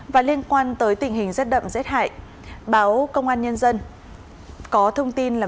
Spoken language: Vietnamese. và liên quan tới tình hình rất đậm rất hại báo công an nhân dân có thông tin là